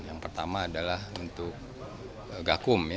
yang pertama adalah untuk gakum